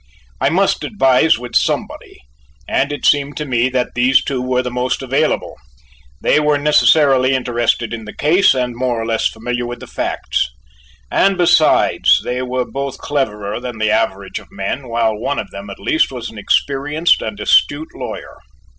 I must advise with somebody, and it seemed to me that these two were the most available. They were necessarily interested in the case and more or less familiar with the facts, and besides they were both cleverer than the average of men, while one of them at least was an experienced and astute lawyer.